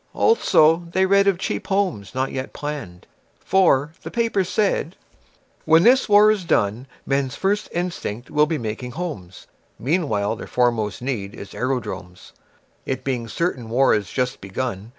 Also, they read of Cheap Homes, not yet planned; For, said the paper, "When this war is done The men's first instinct will be making homes. Meanwhile their foremost need is aerodromes, It being certain war has just begun.